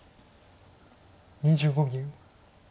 ２５秒。